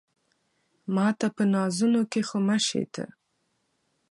ماته په نازونو کې خو مه شې ته